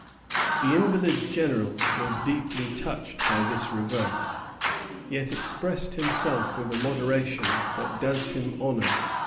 The invalid General was deeply touched by this reverse, yet expressed himself with a moderation that does him honor.